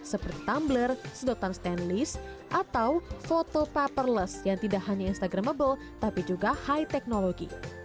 seperti tumbler sedotan stainless atau foto paperless yang tidak hanya instagramable tapi juga high technology